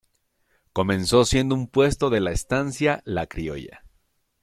Comenzó siendo un puesto de la Estancia La Criolla.